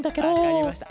わかりました。